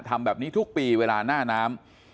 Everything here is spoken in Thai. ทำแบบนี้ทุกปีเวลาหน้าน้ำ